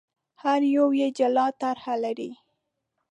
هر یو یې جلا طرح لري.